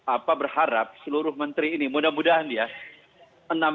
apa berharap seluruh menteri ini mudah mudahan ya